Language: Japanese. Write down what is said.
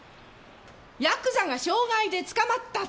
ヤクザが傷害で捕まった。